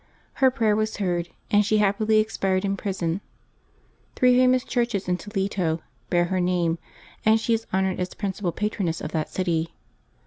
Her prayer was heard, and she happily expired in prison. Three famous churches in Toledo bear her name, and she is honored as principal patroness of that city.